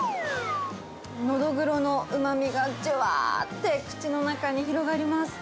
ノドグロのうまみがじゅわーって口の中に広がります。